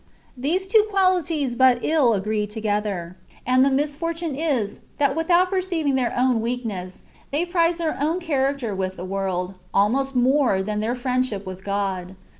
These two qnaKties but ill agree together ; and the misfortune is, that without per ceiving their own weakness, they prize their own character with the world, almost more than their friendship with God.